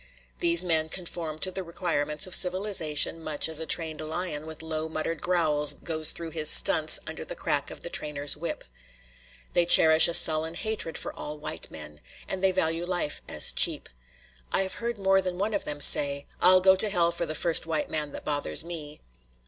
These men conform to the requirements of civilization much as a trained lion with low muttered growls goes through his stunts under the crack of the trainer's whip. They cherish a sullen hatred for all white men, and they value life as cheap. I have heard more than one of them say: "I'll go to hell for the first white man that bothers me."